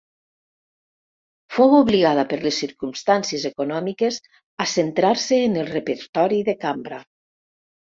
Fou obligada per les circumstàncies econòmiques a centrar-se en el repertori de cambra.